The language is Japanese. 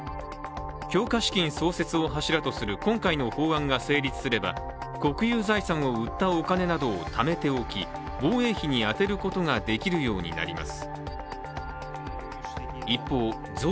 強化資金創設を柱とする今回の法案が成立すれば国有財産を売ったお金などをためておき、防衛費に充てることができるようになります。